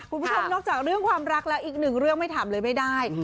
คุณผู้ชมนอกจากเรื่องความรักแล้วอีกหนึ่งเรื่องไม่ถามเลยไม่ได้